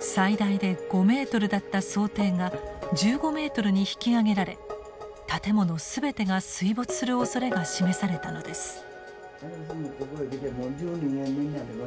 最大で５ｍだった想定が１５ｍに引き上げられ建物全てが水没するおそれが示されたのです。